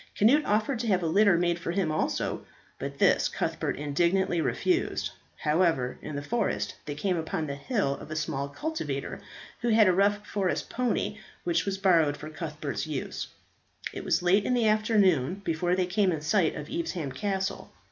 Cnut offered to have a litter made for him also, but this Cuthbert indignantly refused; however, in the forest they came upon the hut of a small cultivator, who had a rough forest pony, which was borrowed for Cuthbert's use. It was late in the afternoon before they came in sight of Evesham Castle.